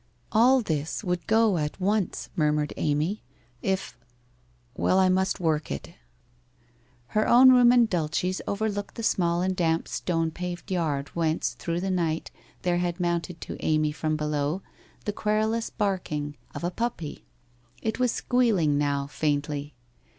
' All this would go at once,' murmured Amy, ' if — well, I in u gi work it/ Hrr own room and Dulce's overlooked the small and damp stone paved yard whence, through the night, there had mounted to Amy from below the querulous barking 121 122 WHITE ROSE OF WEARY LEAF of a puppy. It was squealing now, faintly.